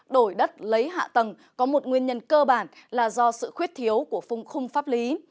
đổi đất lấy hạ tầng có một nguyên nhân cơ bản là do sự khuyết thiếu của phung khung pháp lý